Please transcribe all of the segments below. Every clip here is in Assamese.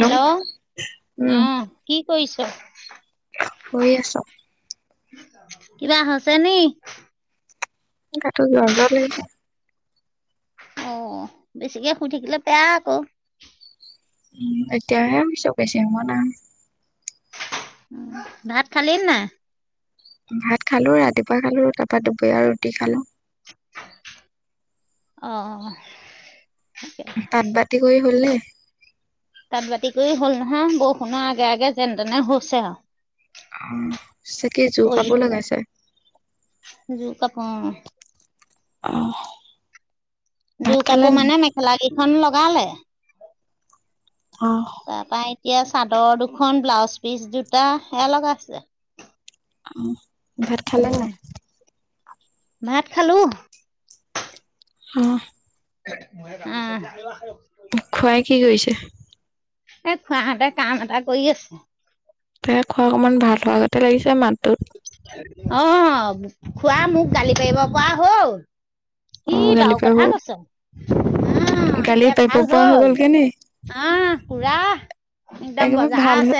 হেল্ল' উম আহ কি কৰিছ শুই আছ কিবা হৈছে নি গাটো জ্বৰ -জ্বৰ লাগিছে অ বেছিকে শুই থাকিলে বেয়া আকৌ। উম এতিয়া হে বিচকেছে ম নাই উ ভাত খালি নাই? ভাত খালো ৰাতিপুৱা খালো তাৰপা দুপৰীয়া ৰুটি খালো অ অ তাঁত বাতি কৰি হ'লে তাত বাতি কৰি হ'ল নহয় ব শুনাৰ আগে আগে যেন তেনে হৈছে আও অ চাকে জোৰ কাপোৰ লগাইছে যোৰ কাপোৰ অ অহ ভাত জোৰ খালে কাপোৰ নাই মানে মেখেলা কেইখন লগালে অহ তাৰপা এতিয়া চাদৰৰ দুখন ব্লাউজ পিচ দুটা সেয়া লগাইছে অ, ভাত খালা? উম ভাত খালো অ উম খুঢ়াই কি কৰিছে? এ খুঢ়াহতে কাম এটা কৰি আছে তাকে খুড়াক অকণমান ভাল হোৱাৰ গতে লাগিছে মাতটোত অ খোৱা মোক গালি পাৰিব পৰা হ'ল অ কি গালি বাৰু পাৰিব কথা কৈছ অ গালি এতিয়া পাৰিব ভাল পৰা হৈ হল গ'লগে নি অহ পোৰা একেবাৰে ভাল হৈ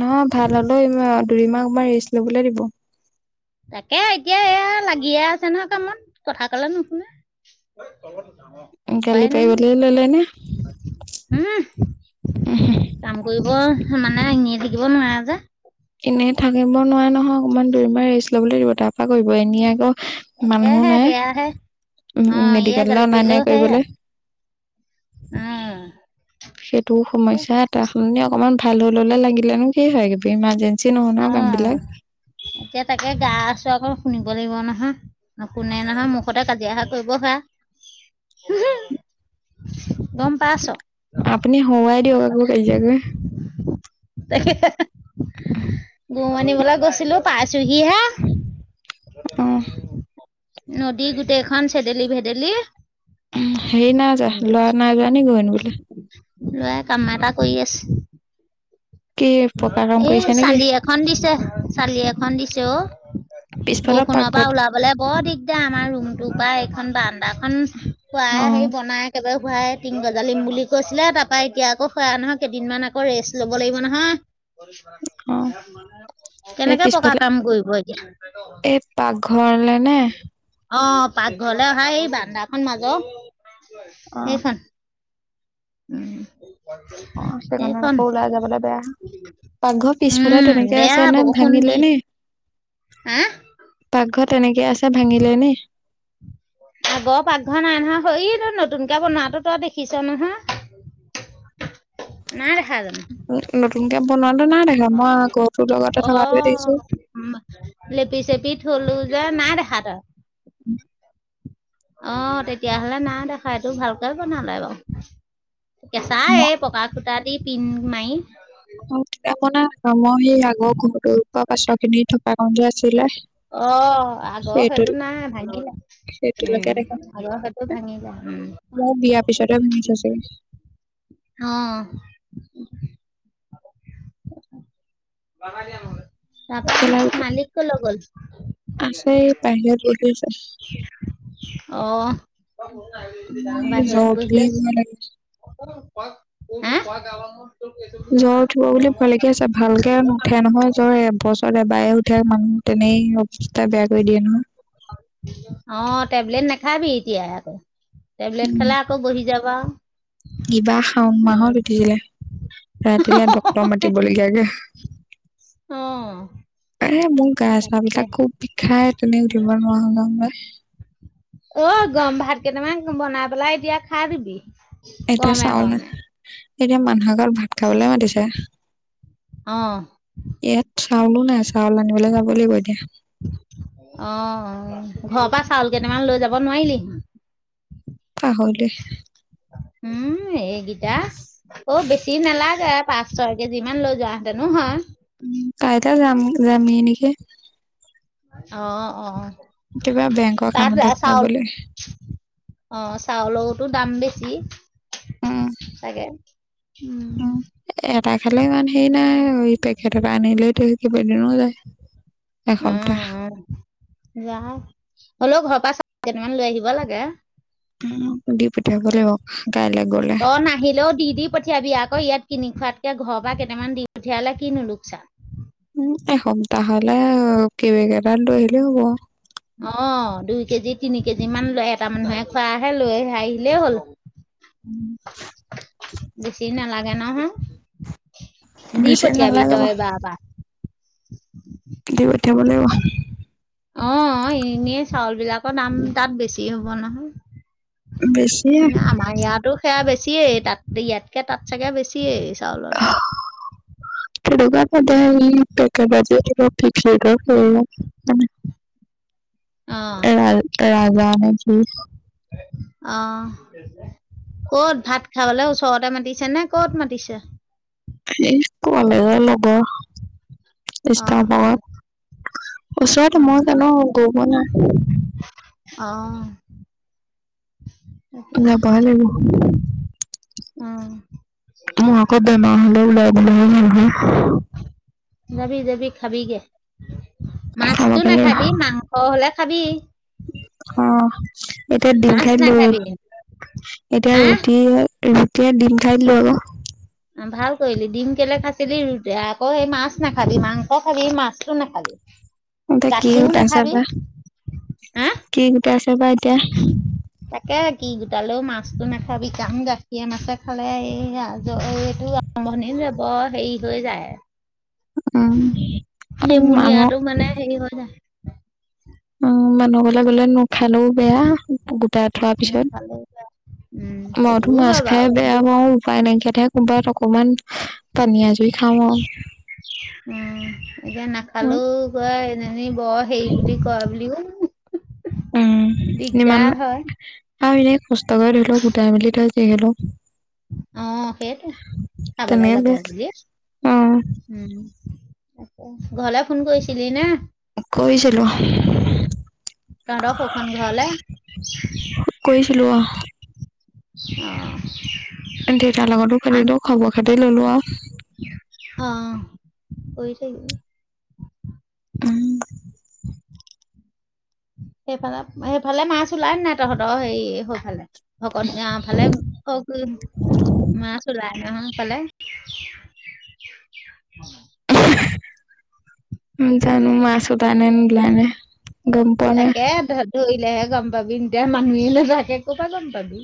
নহয় ভাল হলেও ইমান দুদিন মান অকনমান ৰেষ্ট লবলৈ দিব তাকে এতিয়া এয়া লাগিয়ে আছে নহয় কামত কথা কলে নুশুনে। গালি উপায় নাই পাৰিবলৈ ললে উহ নে কাম কৰিব মানে এনেই থাকিব নোৱাৰে যে এনেই থাকিব নোৱাৰে নহয়, অকনমান দুদিনমান ৰেষ্ট লবলৈ দিব তাৰ পা কৰিব। এনে আকৌ মানুহো তাকেহে নাই। সেয়াহে অ উ ইয়ে গালি মেডিকেললে অনা পাৰিলেও নিয়া সেয়া কৰিবলে। উম। সেইটো সমস্যা এটা হ'ল নে? অকনমান ভাল হৈ ললে লাগিলেনো কি হয় ইমাৰজেঞ্চি অ এতিয়া তাকে গা চোৱা শুন লাগিব নহয়। নশুনে নহয় মুখতে কাজিয়াহে কৰিব হে। [unintelligible] গম পাইছ? আপুনি হৰুৱাই দিয়ক আকৌ কাজিয়া কৰি [unintelligible] গুৰ আনিবলৈ গৈছিলো পাইছোহিহে। অ নদী গোটেইখন চেদেলি ভেদেলি। সেইৰি নাইযোৱা লৰা নাই যোৱা নেকি গৰু আনিবোলে? লৰাই কাম এটা কৰি আছে। কি পকা কাম এ কৰিছে নেকি চালি এখন দিছে চালি এখন দিছে অঁ। পিছফালৰ বৰষুণৰ পৰা পাকঘৰত ওলাবলে বৰ দিগদাৰ আমাৰ ৰুমটো পৰা এই খন বাৰাণ্ডাখন অ খুৱাই হেৰি বনাই একেবাৰে বুঢ়াই টিং গজালিম বুলি কৈছিলে, তাৰ পৰা এতিয়া আকৌ সেয়া নহয় কেইদিনমান আক ৰেষ্ট ল'ব লাগিব নহয়। অ এই কেনেকে পকা পিছফালে কাম কৰিব এতিয়া। এই পাকঘৰলে নে? অ পাকঘৰলে অহা এই বাৰাণ্ডাখন মাজৰ, অ এইখন। উম। অ সেইটো কাৰনে এইখন আকৌ ওলাই যাবলৈ বেয়া। পাকঘৰ পিছফালে উম, তেনেকে বেয়া আছে নে, বৰষুণ ভাঙিলে দি নি? হা পাকঘৰ তেনেকে আছে ভাঙিলে নি? আগৰ পাকঘৰ নাই নহয়। হইটো নতুনকে বনোৱাতো দেখিছ নহয়? [inaudible] নাই দেখা জানো? নতুনকে বনোৱাটো নাই দেখা মই ঘৰটোৰ লগতে অ থকাটোৱে দেখিছো লেপি চেপি থলো যে নাই দেখা তই? [inaudible] অ তেতিয়াহলে নাই দেখা। এইটো ভালকে বনালে বাও। কেঁচা মই এই পকা খুতা দি পিং মাৰি আমাৰ সেই আগৰ ঘৰটো পা পাছৰ কিনি থকা কণ যে আছিলে? অ আগৰ সেইটো নাই ভাঙিলে। উম, সেইটোলৈকে দেখা আগৰ সেইটো ভাঙিলে উম। মোৰ বিয়াৰ পিছতে ভাঙিছে চাগে? অঁ। তাৰ কেলা পা মালিক কলৈ গ'ল? আছে বাহিৰত বহি আছে। অ মোৰ বাহিৰত এই জ্বৰ উঠিলে ভয় লাগে বহি আছে। হা? জ্বৰ উঠিব বুলি ভয় লাগি আছে, ভালকে নুঠে নহয় জ্বৰ এবছৰ এবাৰে উ মানুহ তেনেকেই অৱস্থা বেয়া কৰি দিয়ে নহয়। অ টেবলেট নাখাবি এতিয়া আকৌ। টেবলেট খালে আকৌ বহি যা ব ইবাৰ শাওণ মাহত উঠিছিলে, ৰাতিলে ডক্টৰ মাতিবলগীয়াকে। অ। এ মোৰ গাই তাকে। চাহবিলাক খুব বিষাই তেনেকে উঠিব নোৱাৰা হৈ যাওঁ যে। অ গৰম ভাত কেইটামান বনাই পেলাই এতিয়া খাই দিবি। এতিয়া গৰমে গৰমে [unintelligible] এতিয়া মানুহৰ ঘৰত ভাত খাবলৈ মাতিছে। অ ইয়াত চাউলো নাই, চাউল আনিবলৈ যাব লাগিব এতিয়া। আহ ঘৰৰ পৰা চাউল কেইটামান লৈ যাব নোৱাৰিলি। আহক দে উম এইকেইটা অ বেছি নালাগে পাঁচ -ছয় কেজিমান লৈ যোৱাহেঁতেনো হয়। উ কাইতা যাম যামি নেকি [unintelligible] অ অ। কিবা বেংকৰ তাত কাম এটাত চাউল যাবলে। অ চাউলৰতো দাম বেছি উম চাগে। উম। এটা খালে ইমান হেৰি নাই পেকেট এটা আনিলৈ তো কি বদিনো যায় এসপ্তাহ যাই হ'লেও ঘৰৰ পৰা চা কেইটামান লৈ আহিব লাগে। দি পঠিয়াব লাগিব। কাইলৈ গ'লে। তই নাহিলেও দি দি পঠিয়াবি আকৌ ইয়াত কিনি খোৱাত এতিয়া ঘৰৰ পৰা কেইটামান দি পঠিয়ালে কি নো লোকচান? উম এসপ্তাহ হলে কেৰিবেগ এটাত লৈ আহিলে হ'ব। অ দুই কেজি তিনি কেজি মান লৈ এটা মানুহে খোৱহে লৈ আহিলেই হ'ল। বেছি নালাগে নহয়। দি বেছি পঠিয়াবি নালাগে তই বাৰু এবাৰ বা [inaudible] যাব লাগিব। অ এনে চাউল বিলাকৰ দাম তাত বেছি হ'ব নহয়। বেছি এনে আমাৰ ইয়াতো সেয়া বেছ- বেছিয়ে তাত ইয়াতকে তাত চাগে বেছিয়ে চাউলৰ দাম [inaudible] খেকা ব এই পে বাজ [unintelligible] [unintelligible] অ' এ ৰাজা নে কি? অ, কত ভাত খাবলৈ ওচৰতে মাতিছে নে কত মাতিছে? সেই কলেজৰ লগৰ অ' ইচতাবৰ অ' ওচৰতে অ' মই জানো গৈ পোৱা নাই? অ তাকে নেপালিব উম। মই ক বেমা হলে উলাই [unintelligible] নহয় যাবি যাবি খাবিগে, মাছটো খাবগে লাগিব নাখাবি মাংস হলে খাবি। অ এতিয়া ডিম মাছ খাই দিলো, নাখাবি। এতিয়া ৰুটি আহ ৰুটিয়ে ডিম খাই দিলোঁ আৰ ভাল কৰিলি ডিম কেলে খাইছিলি। আকৌ সেই মাছ নাখাবি মাংস খাবি সে মাছটো নাখাবি। এটা কি গাখীৰও গোটা নাখাবি চাবা, হা কি গোটা চা বা এতিয়া তাকে কি গোটালেও মাছতো নাখাবি কাম গাখীৰ মাছে খালে এ এই এইটো আৰম্ভণি যে বৰ হেৰি হৈ যায়। উম মানুহ নেমুনিয়াটো মানে হেৰি হৈ যায়। অ মানুহ গলে গলে নোখালেও বেয়া গোটাই থোৱাৰ পিছত। নাখালেও বেয়া উম মইতো সেইটোও মাছ হয় খাই বাৰু বেয়া কিন্তু পাওঁ উপায় নাইকিয়াহে কবাত অকমান পানী আজুৰি খাওঁ আৰু উম এতিয়া মই নাখালেও কয় এনেই বৰ হেই বুলি কয় উম উম ইমান হয় আৰু এনেই কষ্ট কৰি ধৰি লওক গোটাই মেলি থৈ যে হলো। অ সেইটো খাবলৈ তেনেকে যাব বেয়া বুলি অ উম। আ ঘৰলে ফোন কৰিছিলি নে? কৰিছিলোঁ তহত হৌ খন ঘৰলে কৰিছিলো অ অহ দেউতাৰ লগতো খেলিলো খবৰ খাতি ললো আৰু অ কৰি থাকিবি। সেইফালে সেইফালে মাছ ওলাই ন নাই তহঁতৰ হেৰি সেইফালে ভকত গাঁও ফালে ক [inaudible] ম চল নহা কলে অ [unintelligible] জানো মাছো পাই নে গম পোৱা নাই তাকে ধৰিলেহে গম পাবি এতিয়া মানুহে নাথাকে ক'বা গম পাবি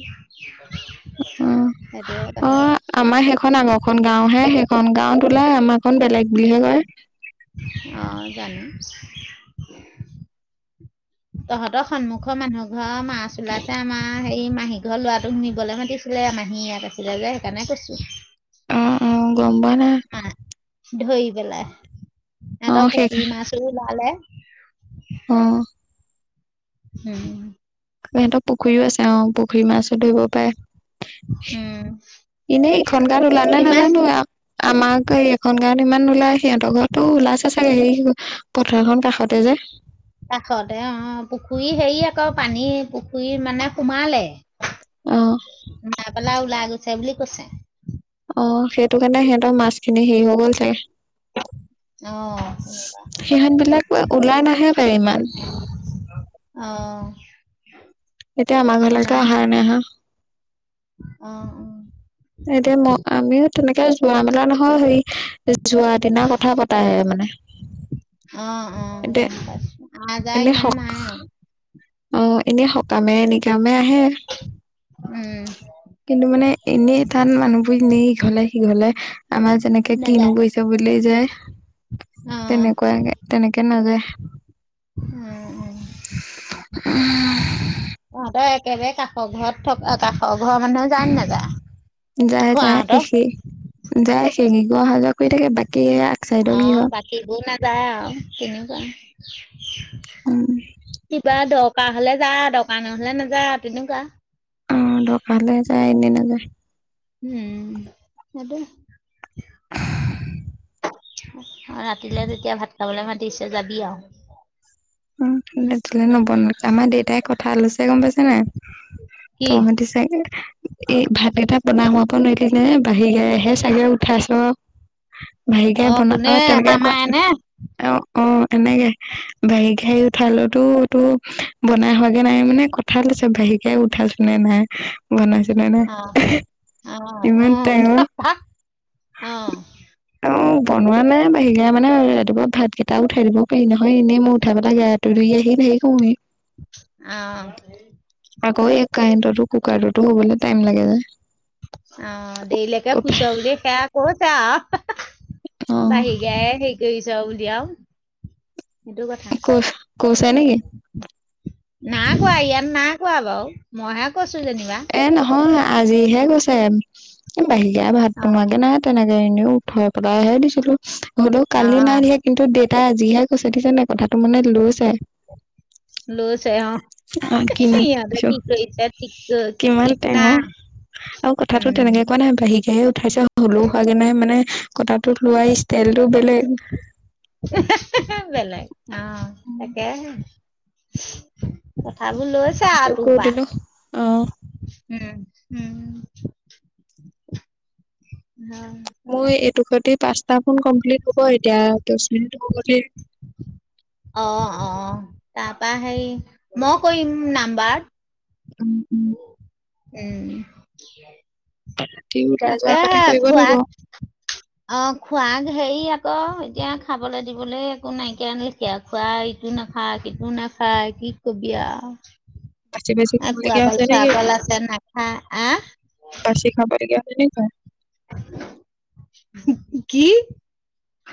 অ সেইটো অ আমাৰ সেইখন আগৰখন গাও হে সেইখন গাঁওত ওলাই আমাৰ খন বেলেগ দুই হেজাৰ আহ জানো। তহঁতৰ সন্মুখৰ মানুহ ঘৰৰ মাছ ওলাইছে আমাৰ সেই মাহী ঘৰ লৰাটোক শুনিবলৈ মাতিছিল দে মাহী ইয়াক আছিলে যে সেইকাৰণে কৈছো অ অ গম পাওনে। মা- ধৰি পেলাই অ হেতৰ পুখুৰী মাছো ওলালে অহ হম সিহঁতক পুখুৰীও আছে অহ পুখুৰী মাছো ধৰিব পাৰে উম। এনেই ইখন গাত ওলা নে পুখুৰী মাছ নাজানো আমাক এই এইখন গ [unintelligible] ইমান নোলাই সিহঁতৰ ঘৰতো ওলাইছে চাগে সেই পথাৰখন কাষতে যে কাষতে অ পুখুৰী হেৰি আকৌ পানী পুখুৰী মানে সোমালে। অ নাই পেলা ওলাই গৈছে বুলি কৈছে। অ সেইটো কাৰণে সিহঁতৰ মাছখিনি হেৰি হৈ গ'ল চাগে অহ সিহঁত বিলাক ওলাই নাহে পাই ইমান অহ এতিয়া আমাৰ ঘৰলৈকে আহাই নাই হা অহ উম এতিয়া ম আমিও তেনেকে যোৱা মেলা নহয় সেই যোৱা দিনা কথা পতাহে মানে অ অ। এতিয়া নাযায় এনে ইমান সক নাই অ এনে সকামে এ নিকামে আহে উম, কিন্তু মানে এনেই তাত মানুহবোৰ এনেই ইঘলে সিঘলে আমাৰ যেনেকে কিনো নাযায় গৈছে বুলি যায়। অ', তেনেকুৱাকে তেনেকে নাযায় উম, উম। উম তহঁতৰ একেবাৰে কাষৰ ঘৰত থকা কাষৰ ঘৰৰ মানুহ যায় নে নাযায়? যায় যায় খুৰাহঁতৰ সে যায় সে কি যোৱা অহা যোৱা কৰি থাকে বাইক অ বাকীবোৰ নাযায় আৰু কেনেকুৱা উম কিবা দৰকাৰ হলে যা দৰকাৰ নহলে নাযা তেনেকুৱা অহ দৰকাৰ হলে এনে নাযায় উম, [unintelligible] ৰাতিলে তেতিয়া ভাত খাবলৈ মাতিছে যাবি আৰু। [unintelligible] আমাৰ দেউতাই কথা ললৈছে গম পাইছে নাই? কি? তহতি চাগে এই ভাতকেইটা বনাই শুৱাব নোৱাৰিলি নে? এই বহি গাহে হে চাগে উঠাইছ? ভাহকে বনা কোনে অ', তেনেকে মামাই নে? কোৱা--অ'-অ', এনেকে ভ হেৰি উঠালতো এটো বনাই হোৱাগে নাই মানে কথা লৈছে বোহকাই উঠালছনে নাই? বনাইছো নে নাই অ', ইমান অ'-অ', টাইমৰ [unintelligible] অ'। বনোৱালে বাহিগা মানে ৰাতিপুৱা ভাতকেইটাও উঠাই দিব পাৰি নহয় এনেই মোৰ [unintelligible] তুলি আহি হেৰী কৰোঁ সি। অ' আকৌ এক কাৰেণ্টতো কুকাৰতোটো হ'বলৈ ত লাগে যে? অ', দেলৈকে হুইছো বুলি সেয়া কৈছে আউ। অ', বাহি গাই হেৰি কৰিছ বুলি আউ। সেইটো কথা। কৈ কৈছে নেকি? নাই কৰা ইয়াত নাই কৰা বাৰু। মইহে কৈছো যেনিবা। এ নহয় আজিহে কৈছে বাহিগায় ভাত অ' বনোৱাকে নাই তেনেকে যাইনে উঠাই পেলাই হে দিছিলো। হ'লেৌ কালি নাই অ' [unintelligible] কিন্তু দেউতাই আজিহে কৈছে [unintelligible] দিছে নে কথাটো মানে লৈছে। লচ অ', অ', কি নাম সিহঁতে দিছো কি কৰিছে কিমান ঠিক-ঠিক টেঙৰ নাই। আৰু কথাতটো উম, তেনেকে কোৱা নাই, বাহিকাহে উঠাইছে হলেও হোৱাগে নাই মানে কথাটো লোৱাই তেল টো বেলেগ। বেলেগ অ', তাকেহে। ভাবোৰ লৈছা আৰু তোৰ কৰি পা। দিলো অ উম'-উম'। মোৰ এইটো শৈতে পচটা ফোন কমপ্লিট হ'ব এতিয়া। দ মিনিট [unintelligible] অ', অ', তাৰ পৰাা হে মই কৰিম নাম্বাৰ। উম'-উম'। উম'। ৰাতি ওলাই অ', যোৱাৰ তাকে আগতে হে কৰিব খোৱা লাগিব অ', খোৱাং হেই আক এতিয়া খাবলৈ দিবলৈ একো নাইকিয়া নেকি আৰু খোৱা ইটো নাখায় ইটো নাখায় কি কবি আৰু। বাচি বাচি [unintelligible] কল খাবলগীয়া হৈছে চোৱা কল আছে নাখাই, আহ? বেছি খাব দিলে [unintelligible] কি?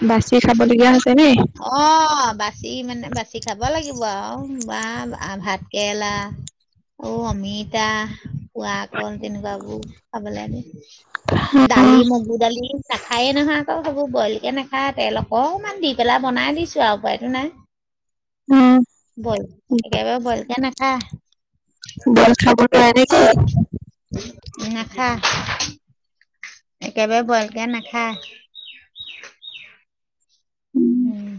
বাচি খাবলগীয়া নে অ', বাচি মানে বাচি খাব লাগিব আৰু। বা ভাত কেৰেলা, অ, অমিতা খোৱা কল তেনেকুৱাবোৰ খাব লাগে, অ দালি মগু দালি। নাখায়ে নহয় আকৌ সবোৰ বইল কে নাখাই তেল অকমান দি পেলা বনাই দিছো আৰু উপায়তটো নাই, অ বইল একেবাৰে বইল কে নাখ আহ। বৈল খাব নোৱাৰে নেকি? হ [unintelligible] একেবাৰে বইল কে নাখাই। উম'।